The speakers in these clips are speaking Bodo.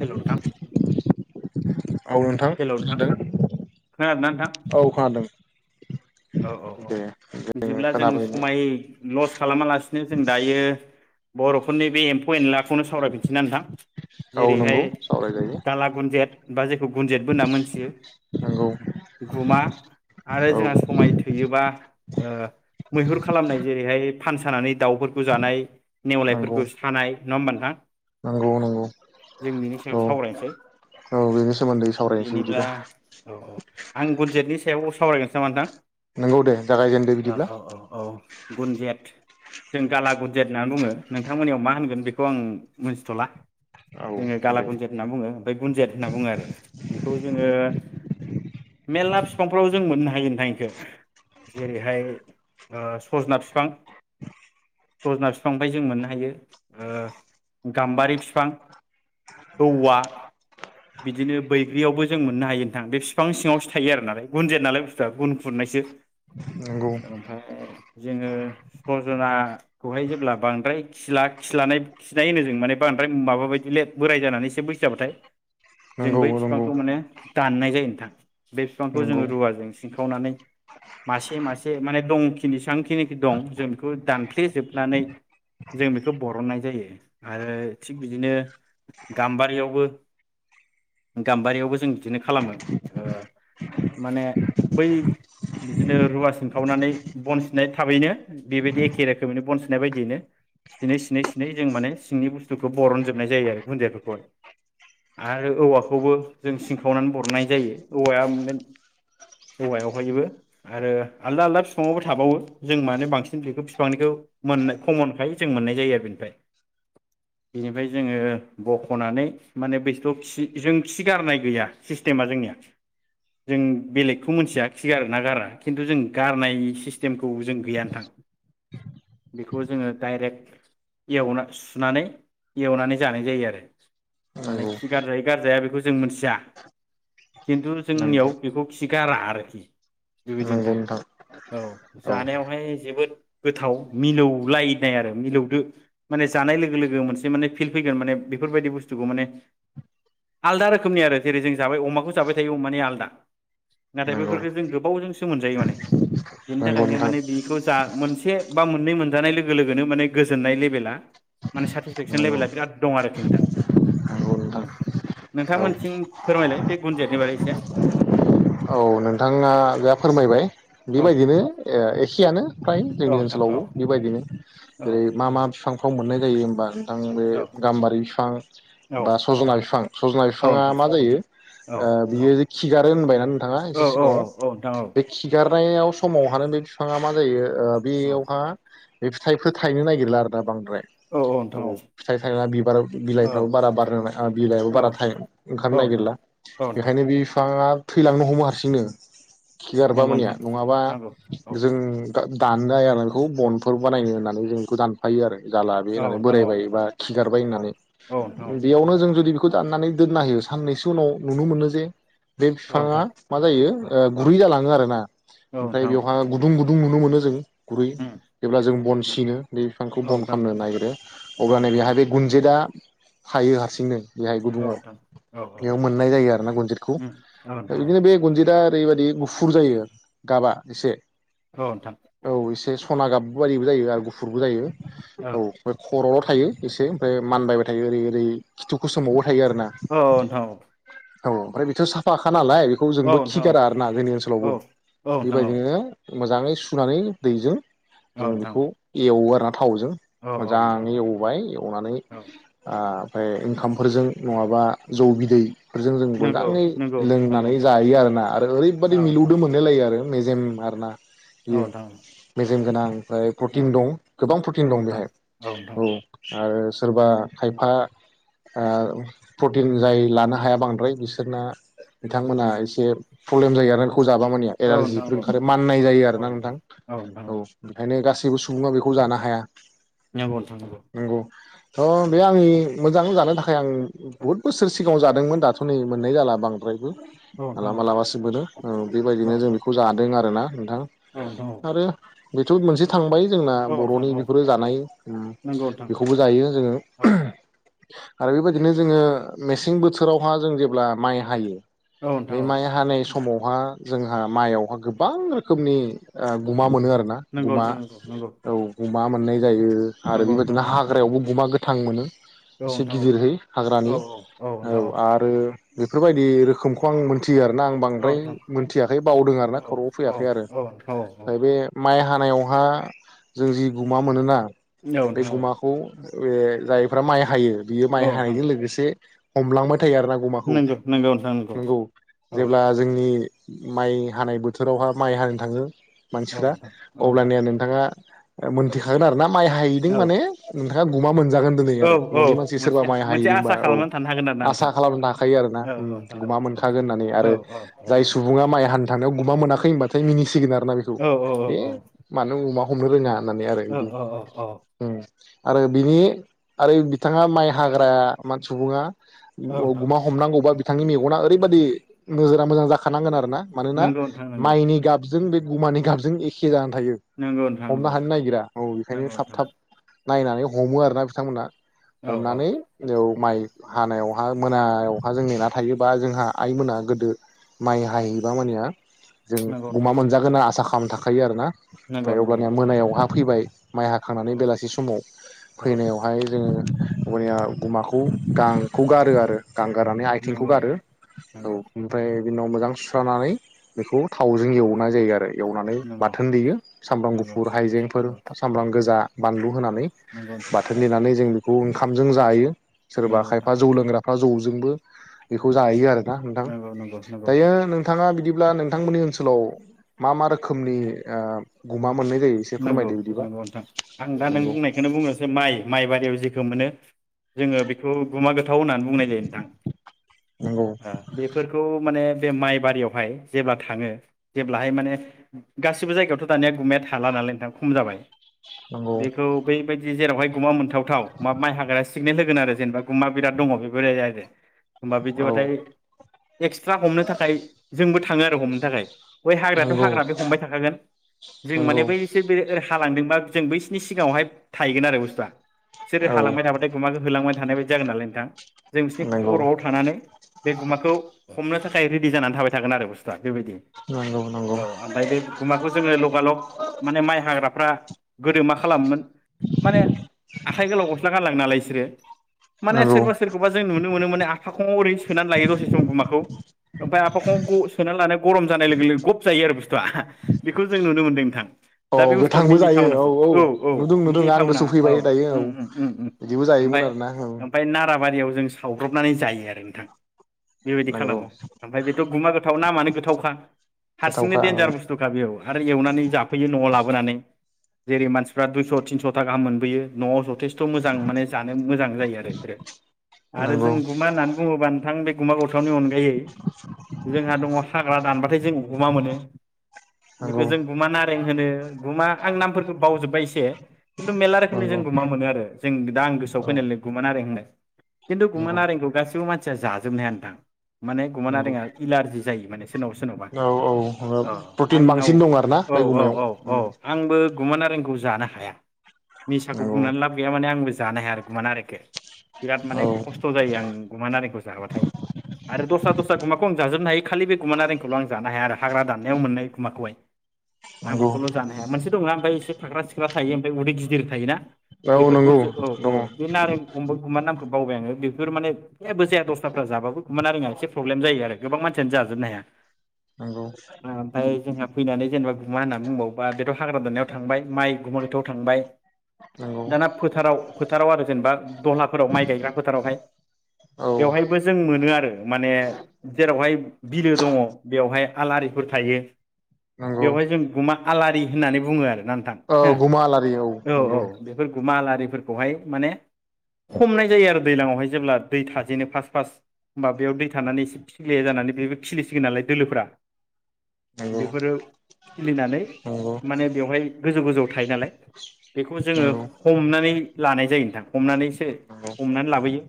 हेल' नोंथां औ नोंथां खोनादों खोनादोंना नोंथां औ खोनादों औ औ औ दे जोङो बिदिब्ला जों खोनाबायनो समाय लस खालामालासिनो जों दायो बर'फोरनि बे एमफौ एनला खौनो सावरायफिनसैना नोंथां औ जेरैहाय नंगौ सावरायजायो गाला गुनजेत बा जेखौ गुनजेतबोना मोनथियो नंगौ गुमा आरो औ जोंहा हुयोबा ओ मैहुर खालामनाय जेरैहाय फानसानानै दाउफोरखौ जानाय नंगौ नेवलायफोरखौ सानाय नङा होनबा नोंथां नंगौ नंगौ जों बिनि सायाव औ सावरायसै औ बेनि सोमोन्दै सावरायनोसै बेनिब्ला बिदिबा औ औ आं गुनजेतनि सायाव सावरायग्रोसै नामा नोंथां नंगौ दे जागायजेनदो औ बिदिब्ला औ औ गुनजेत जों गाला गुनजेत होननानै बुङो नोंथांमोननियाव मा होनगोन बेखौ आं मोनथिथ'ला औ जोङो गाला दे गुनजेत होनना बुङो ओमफ्राय गुनजेत होनना बुङो आरो बेखौ जोङो मेलला बिफांफ्राव जों मोननो हायो नोंथां एखो जेरैहाय ओ सजना फिफां सजना फिफांनिफाय जों मोननो हायो ओ गामबारि फिफां औवा बिदिनो बैग्रियावबो जों मोननो हायो नोंथां बे फिफां सिङावसो थायो आरो नालाय गुनजेत नालाय बुस्थुआ गुन खुरनायसो नंगौ ओमफ्राय जोङो सजनाखौहाय जेब्ला बांद्राय खिला- खिलानाय खिनाय होनो जों माने बांद्राय माबा बायदि लै बोराय जानानैसो बैसो जाबाथाय जों नंगौ बै नंगौ बिफांखौ माने दाननाय जायो नोंथां बे बिफांखौ नंगौ जोङो रुवाजों सिंखावनानै मासे मासे माने दंखिनि जेसेबांखिनि दं जों बेखौ दानफ्लेजोबनानै जों बेखौ बरननाय जायो आरो थिग बिदिनो गामबारियावबो गामबारियावबो जों बिदिनो खालामो ओ माने बै बिदिनो रुवा सिनखावनानै बन सिननाय थाबैनो बेबायदि एखे रोखोमैनो बन सिननाय बायदियैनो सिनै सिनै सिनै जों माने सिंनि बुस्थुखौ बरनजोबनाय जायो आरो गुनजेरफोरखौहाय आरो औवाखौबो जों सिंखावनानै बरननाय जायो औवाया म औवायावहायबो आरो आलदा आलदा बिफांङावबो थाबावो जों माने बांसिन बेखौ बिफांनिखौ मोननाय खमनखाय जों मोननाय जायो आरो बेनिफ्राय बेनिफ्राय जोङो बख'नानै माने बैसोथ खि' जों खिगारनाय गैया सिस्टेमा जोंनिया जों बेलेगखौ मिथिया खिगार ना गारा खिनथु जों गारनाय सिस्टेमखौ जों गैया नोंथां बेखौ जोङो डाइरेक्ट एवना सुनानै एवनानै जानाय जायो आरो माने नंगौ खि गार जायो गारजाया बेखौ जों मोनथिया किनतु जोंनियाव नंगौ बेखौ खि गारा आरोखि बेबायदि नोंथां औ जानायावहाय जोबोद गोथाव मिलौलायनाय आरो मिलौदो माने जानाय लोगो लोगो मोनसे माने फिल फैगोन माने बेफोरबायदि बुस्थुखौ माने आलदा रोखोमनि आरो जेरै जों जाबाय अमाखौ जाबाय थायो अमानि आलदा नाथाय नंगौ बेफोर जों गोबावजोंसो मोनजायो माने बेनि नंगौ थाखायनो नोंथां माने बेखौ जा मोन मोनसे बा मोननै मोनजानाय लोगो लोगोनो माने गोजोननाय लेभेला माने सेटिसफेकसन नंगौ लेभेला बिराद दं आरोखि नोंथां नंगौ उ नोंथां औ नोंथांमोननिथिं फोरमायलाय बे गुनजितनि बारै एसे औ नोंथाङा जा फोरमायबाय औ बेबायदिनो ओ एखेयानो फ्राय औ जोंनि नोंथां औ ओनसोलावबो बेबायदिनो औ जेरै मा मा बिफां थाव मोननाय जायो होमबा आं बे औ गाम्बारि बिफां औ बा सजना बिफां सजना औ बिफाङा नोंथां मा जायो औ ओ बियो खिगारो होनबायना नोंथाङा औ एसे औ सिगाङाव औ औ नोंथां औ बे खिगार नायाव समाव हानो बे बिफाङा मा जायो ओ औ बेयावहा बे फिथाइफोर थायनो नागिरला आरो दा बां औ फिथाइ थायना बिबार बिलाइफ्राबो बारा बारनो बिलाइआबो औ बारा थाइ ओंखारनो औ नोंथां नागिरला औ नोंथां बेखायनो बे बिफाङा थैलांनो हमो हारसि सिंनो खिगारबा नंगौ मानिया नोंथां नङाबा नंगौ औ जों दा- दाननो हायो आरो बेखौ बनफोर बानायनो होननानै जों बेखौ दानफायो आरो जाला बे औ होननानै नोंथां औ बोरायबाय बा खिगारबाय औ होननानै औ नोंथां बेयावनो जों जुदि खौ दाननानै दोनना होयो साननैसो उनाव नुनो मोनो जे बे औ औ फिफाङा नोंथां जायो औ ओ औ गुरै जालाङो‌ आरोना औ ओमफ्राय नोंथां औ बेयावहाय गुदुं गुदुं गुदुं नुनो मोनो जों गुरै उम जेब्ला जों बन सिनो बे बिफांखौ औ बन नोंथां खामनो औ नागिरो अब्ला नै नोंथां बेहाय औ बे गुनजेदा हायो हारसिंनो बेहाय औ गुदुङाव नोंथां औ औ इयाव मोननाय जायो आरो ना गुनजितखौ उम औ नोंथां औ इदिनो बे दा ओरैबायदि गुफुर जायो गाबा एसे औ नोंथां औ एसे सना गाब बायिबो जायो आरो गुफुरबो जायो औ बे ख खर'ल' थायो एसे ओमफ्राय मानबाय थायो ओरै ओरै खिथुखौ सोमावबाय थायो आरोना औ ओनथाव औ ओमफ्राय बेथ' साफाखा नालाय बे खौ जोंबो नोंथां औ खिगारा आरोना जोंनि ओनसोलावबो औ औ नोंथां औ बेबायदिनो मोजाङै सुनानै दैजों औ जोंङो नोंथां बेखौ एवो आरो थावजों औ औ नोंथां मोजाङै एवबाय एवनानै औ आ फ्राय ओंखामफोरजों नङाबा जौ बिदै फोरजों जों नंगौ मोजाङै नंगौ लोंना नंगौ नोंथां जायो आरोना आरो ओरैबायदि औ नोंथां मिलौदो मोनलाय लायो आरो मेजेम आरो ना औ बेयो नोंथां औ मेजेम गोनां ओमफ्राय औ प्रटिन दं गोबां प्रटिन औ दं नोंथां बेहाय नोंथां औ आरो सोरबा खायफा ओ प्रटिन जाय लानो हाया बांद्राय बिसोरना बिथांमोना एसे प्रब्लेम जायो आरो खौजाबा मानिया औ नोंथां एलारजिफोर औ ओंखारो माननाय जायो औ आरोना नोंथां नोंथां औ बेखायनो गा जेबो सुबुङा बेखौ जानो हाया। नंगौ नोंथां नंगौ थ' बे आंनि मोजां जानो थाखाय फ्राय आं बुहुत बोसोर सिगाङाव जादोंमोन दाथ' नै मोनाय जाला बांद्रायबो नंगौ मालाबालाबा सो मोनो ओ औ बेबायदिनो जों नोंथां औ बेखौ नोंथां जादों आरो ना नोंथां औ नोंथां आरो बेथ' मोनसे थांबाय जोंना बर'नि औ नोंथां औ बेफोरो जानाय उम नंगौ नोंथां बेखौबो जायो जोङो। औ आरो बेबायदिनो जोङो मेसें बोथोरावहा जों जेब्ला माइ हायो। औ बे नोंथां औ माइ हानाय स समावहा जोंहा माइआवहा गोबां रोखोमनि गुमा मोनो आरो ना नंगौ गुमा नोंथां नंगौ औ गुमा मोननाय जायो आरो नंगौ बेबायदिनो नोंथां औ हाग्रायावबो गुमा गो थां मोनो औ एसे नोंथां औ गिदिरहै हाग्रानि औ आरो बेफोरबायदि रोखोम खौ आं मोनथि मिथियो आरो ना आं औ बांद्राय नोंथां मोनथियाखै बावदों आरो ना औ खर'आव औ फैयाखै आरो औ नोंथां औ औ मफ्राय बे माइ हानायावहा जों जि गुमा मोनोना बे नोंथां औ गुमाखौ बे जायफ्रा माइ हायो बियो माइ हानायजों लोगोसे हमलांबाय थायो आरोना गुमाखौ नोंगौ नोंगौ नोंथां नोंगौ नंगौ जेब्ला जोंनि माइ हानाय बोथोरावहा माइ हानो थाङो औ मानसिफ्रा नोंथां औ नोंथां अब्लानिया नोंथाङा मोनथिखागोन आरोना माइ हायैदों माने गुमा मोन जागोन दोनै औ आरो औ न'नि मानसि सोरबा मोनसे माइ मोनसे हाहैदोंबा आसा औ खालामनानै आसा थानो खालामनो थाखायो आरो ना हागोन गुमा आरोना मोनखागोन होननानै आरो जाय नोंथां सुबुङा माइ हानो थांनायाव गुमा मोनाखै खै होनबाथाय मिनिसिगोन आरो ना बेखौ औ नोंथां औ औ औ ए औ नोंथां औ मानो गुमा हमनो रोङा होननानै आरो बिदि औ औ ओम आरो बिनि आरो बिथाङा माइ हाग्रा मान सुबुङा औ ओ नोंथां गुमा हमनांगौबा बि बिथांनि मेगना ओरैबादि नोजोरा मोजां जाखानांगोन आरो ना मानोना नंगौ नोंथां नंगौ माइनि गाबजों बे गुमानि गाबजों एखे जानो थायो हमनो हानो नागिरा औ बेखायनो नंगौ थाब नोंथां थाब नायनानै हमो आरोना बिथांमोनहा नंगौ हमनानै बेयाव माइ हानायाव आ मोनायाव अखा जों नेना थायोबा जोंहा आइमोना गोदो माइ हाहैबा मानेया जों नंगौ गुमा मोनजागोना आसा खाम थाखायो आरो ना। फाय अबानिया नोंथां मोनायावहा फैबाय माइ औ हाखांनानै बेलासि समाव औ फैनायावहाय जोंङो बनिया गुमाखौ गांखौ गारो आरो गां गारां थेंखौ नंगौ गारो नोंथां औ नंगौ ओमफ्राय बिनि उनाव मोजां सुस्रानानै बेखौ थावजों एवनाय जायो आरो। एवनानै नंगौ नोंथां औ नंगौ नोंथां नंगौ बाथोन देयो सामब्राम नंगौ गुफुर नोंथां हाइजेंफोर नंगौ सामब्राम गोजा बानलु होनानै नंगौ नंगौ नोंथां बाथोन देनानै जों बे खौ ओंखामजों जायो। सोरबा नंगौ नोंथां खायफा जौ लोंग्रा बा जौजोंबो बेखौ जायो आरो। ना नोंथां नंगौ नंगौ नंगौ नोंथां दायो नोंथाङा बिदि ब्ला नोंथांमोननि ओनोलाव मा मा रोखोमनि ओ गुमा मोननाय जायो एसे नोंगौ फोरमायदो बिदिबा नोंगौ नोंथां आं दा नों नंगौ बुंनायखोनो बुंनोसै माइ माइबारियाव जिखो मोनो जोङो बेखौ गुमा गो थाव होननानै बुंनाय जायो नोंथां। नंगौ ओ बेफोरखौ माने बे माइ बारियावहाय जेब्ला थाङो जेब्लाहाय माने गासिबो जायगायावथ' दानिया गुमाया थाला नालाय नोंथां खम जाबाय नंगौ बेखौ बैबायदि जेरावहाय गुमा मोनथावथाव मा माइ हाग्राया सिगनेेल होगोन आरो जेनेबा गुमा बिराद दङ बे [unintelligible] होमबा औ बैदिबाथाय एक्सट्रा हमनो थाखाय जोंबो थाङो आरो हमनो थाखाय। बै हाग्राथ' नंगौ हाग्रा बे हमबाय थाखागोन जों नंगौ माने बैसो बे ओ थालांदोंबा जों बैसिनि सिगाङावहाय थाहैगोन आरो बुस्थुआ। सोर औ हालांबाय थाबाथाय गुमाखो होलांबाय थानाय बादि जागोन नालाय नोंथां। जों बिसिनि नंगौ खर'आव थानानै बे गुमाखौ हमनो थाखाय रेडि जानानै थाबाय थागोन आरो बुसथुआ। बेबायदि नंगौ नंगौ औ ओमफाय बे गुमाखौ जोङो लगालग माने माइ हाग्राफ्रा गोदो मा खालामोमोन माने आखाइ गोलाव गस्ला गानलाङो नालाय इसोरो [inaudible] माने नंगौ सोरबा सोरखौबा जों नुनो मोनो माने आफाखङाव ओरै सोनानै लायो दसे सम गुमाखौ ओमफ्राय आफाखङाव ग सोनानै लाना गरम जानाय लोगो लोगो गब जायो आरो बुस्थुआ बेखौ जों नुनो मोनदों नोंथां औ दा बे बुस्थुआ गोथांबो जायो औ औ मिनिथावनासो नुदों नुदों आं मिनिथावना गोसोआव फैबाय दायो उम औ उम उम उम बिदिबो ओमफ्राय जायोमोन आरोना औ ओमफ्राय नाराबारियाव जों सावब्रनानै जायो आरो नोंथां बेबायदि नंगौ खालामो आमफाय बेथ' गुमा गोथाव नामआनो गोथावखा हारसिंनो गोथावखा औ देनजार बुस्थुखा बेयाव आरो एवनानै जायो न'आव लाबोनानै जेरै मानसिफ्रा दुइस' थिनस'था गाहाम मोनबोयो न'आव जथेस्थ' मोजां माने जानो मोजां जायो आरो बेफोरो आरो जों नंगौ गुमा होननानै बुङोबा नोंथां बे गुमा गो थावनि अनगायै जोंहा दङ हाग्रा दानबाथाय जों गुमा मोनो बेखौ नंगौ जों गुमा नारें होनो गुमा आं नामफोरखौ बावजोबबाय इसे खिन्थु मेरला रोखोमनि जों नंगौ गुमा मोनो आरो जों दा आं गोसोआव औ फैनाय गुमा नारें होननाय खिन्थु गुमा नंगौ नारेंखौ गासिबो मानसि सिया जाजोबनो हाया नोंथां माने गुमा नंगौ नारेङा इलारजि जायो माने सोरनावबा सोरनावबा औ औ ओ औ प्रटिन आंनाव बांसिन दं आरो ना औ औ औ औ आंबो गुमा नारेंखौ जा जानो हाया मिसाखौ नंगौ बुंनानै लाब गैया माने आंबो जानो हाया आरो गुमा नारेंखौ बिराद औ माने खस्थ' जायो आं गुमा नारेंखौ जाबाथाय आरो दस्रा दस्रा गुमाखौ आं जाजोबनो हायो खालि बे गुमा नारेंखौल' आं जानो हाया आरो हाग्रा दाननायाव मोननाय गुमाखौहाय आं नंगौ बेखौल' जानो हाया मोनसे दङना ओमफ्राय एसे फाग्रा सिख्ला थायो ओमफ्राय उदै गिदिर थायोना औ नंगौ बेफोरखौसो औ औ दङ बे नारें गुमा नामखौ बावबाय आङो बेफोर माने जेबो जाया दस्राफ्रा जाबो गुमा नारेंआ एसे प्रब्लेम जायो आरो गोबां मानसियानो जा जोबनो हाया नंगौ आमफ्राय जोंहा फैनानै जेनेबा मानो बुंबावबा बेथ' हाग्रा दाननायाव थांबाय माइ गुमा गोथाव थांबाय नंगौ दाना फोथाराव फोथाराव आरो जेनेबा दहलाफोराव माइ गायग्रा फोथारावहाय औ बेवहायबो जों मोनो आरो माने जेरावहाय बिलो दङ बेवहाय आलारिफोर थायो नंगौ बेवहाय जों गुमा आलारि होननानै बुङो आरो ना नोंथां औ हा गुमा आलारि औ औ नंगौ बेफोर गुमा लारि फोरखौहाय माने हमनाय जायो आरो दैलाङावहाय जेब्ला दै थाजेनो फास्स्ट फास्ट होमबा बेयाव दै थानानै एसे खिले जानानै बेबो खिलिसिगोन नालाय दोलोफ्रा नंगौ बेफोरो खिलिनानै नंगौ माने बेवहाय गोजौ गोजौ थायो नालाय बेखौ जोङो नंगौ हमनानै ला जायो नोंथां हमनानैसो नंगौ हमनानै लाबोयो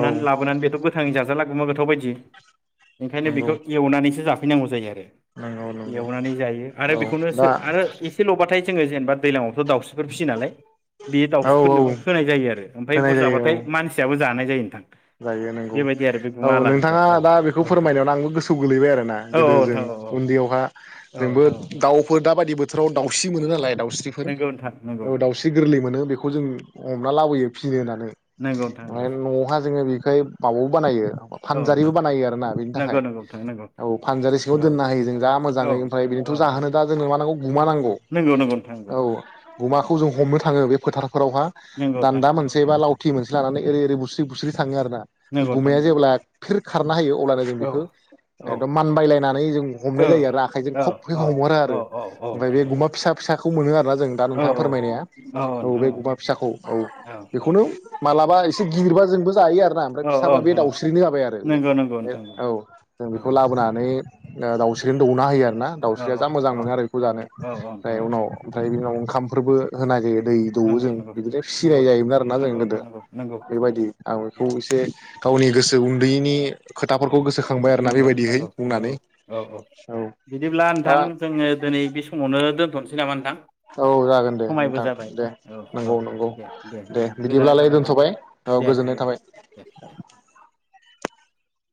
औ लाबोनानै बेथ' गोथाङै जाजाला गोमो गोथाव बायदि ओंखायनो नंगौ बेखौ एवनानैसो जा फैनांगौ जायो आरो नंगौ नंगौ एवनानै जायो औ आरो बेखौनोसो दा आरो एसे ल'बाथाय जो जेनबा दैलांआवथ' दावस्रि फिसियो नालाय बेयो औ औ दाउस्रिफोरनोबो होनाय जायो आरो ओमफ्राय होनाय जायो बुरजाबाथाय औ मानसियाबो जानाय जायो जायो नोंथां जायो नंगौ बेबायदि आरो बे औ गुमा आलारिखौ नोंथाङा औ दा बेखौ औ नोंथां फोरमायनायावनो आंबो गोसोआव गोलैबाय आरोना औ गोदो जों नोंथां औ उन्दैयावहा औ जोंबो नोंथां औ दाउफोर दा बायदि बोथोर बोथोराव दावस्रि मोनो नालाय दा नंगौ नोंथां नंगौ दाउस्रि गोरलै मोनो बेखौ जों हमना लाबोयो फिनो होननानै नंगौ नोंथां माने नंगौ न'आवहाय बेखाय बावो बानायो औ फानजारिबो नोंथां बानायो आरोना बेनि नंगौ थाखाय नंगौ नोंथां नंगौ औ फानजारि सिङाव औ दोनना हायो जों जा औ मोजाङै ओमफ्राय औ बिदिनोथ' नोंथां जाहोनो दा जोंनो मा नांगौ गुमा नांगौ नंगौ नंगौ नोंथां औ नंगौ गुमाखौ जों हमनो थाङो बे फोथारफोरावहा नंगौ नोंथां दान्दा मोनसे बा लावथि मोनसे लानानै एरै एरै बुस्रि बुस्रि थाङो आरोना नंगौ नोंथां गुमाया नंगौ जेब्ला खारना होयो अब्लानो जों औ बेखौ औ एकदम मानबायलायनानै जों हमनाय औ जायो आरो आखाइजों औ खब औ हमहरो औ आरो औ औ ओमफ्राय बे नोंथां औ गुमा फिसा फिसाखौ खौ मोनो आरोना जों दा औ नोंथां औ नोंथां औ औ बोरमायनाया एसे गिदिरबा जोंबो जायो आरो ओमफ्राय औ फिसाबा बे नोंथां औ दाउस्रिनो जाबाय आरो नंगौ नंगौ बेयो नोंथां औ जों बेखौ नंगौ लाबोनानै दावस्रिनो दौना होयो आरो ना दाउस्रिया नंगौ जा मोजां औ मोनो आरो बेखौ जानो औ नोंथां ओमफ्राय औ उनाव ओमफ्राय बिनि उनाव ओंखाम फोरबो होनाय जायो दै दौवो नंगौ जों नंगौ बिदिनो नंगौ फिनाय जायोमोन आरोना जों नंगौ गोदो नोंथां नंगौ नंगौ बेबायदि आं बेखौ नंगौ एसे गावनि गोसो उन्दैनि खोथाफोर नंगौ नंगौ नंगौ औ औ बिदिब्ला दा नोंथां जोङो दिनै बे समावनो दोन दोनथ'नोसै नामा नोंथां औ जागोन दे समायबो नोंथां जाबाय दे औ औ नंगौ नंगौ दे दे नोंथां गोजोननाय बिदिब्लालाय थाबाय नोंथां दोनथ'बाय औ दे नोंथां गोजोननाय दे थाबाय दे दे